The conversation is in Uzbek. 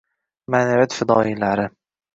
Ma’naviyat fidoyilari